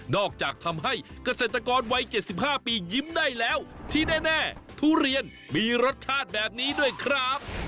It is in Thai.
อกจากทำให้เกษตรกรวัย๗๕ปียิ้มได้แล้วที่แน่ทุเรียนมีรสชาติแบบนี้ด้วยครับ